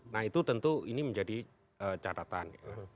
nah itu tentu ini menjadi catatan